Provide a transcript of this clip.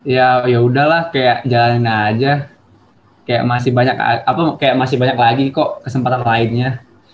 ya ya udahlah kayak jalanin aja kayak masih banyak lagi kok kesempatan lainnya